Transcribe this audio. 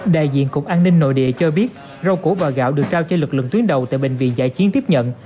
đại diện cục an ninh nội địa cho biết rau củ và gạo được trao cho lực lượng tuyến đầu tại bệnh viện giải chiến tiếp nhận